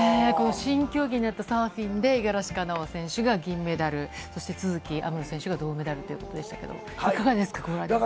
新競技になったサーフィンで、五十嵐カノア選手が銀メダル、そして都筑有夢路選手が銅メダルということでしたけど、いかがですか。